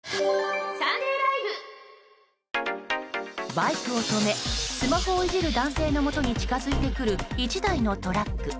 バイクを止めスマホをいじる男性のもとに近づいてくる、１台のトラック。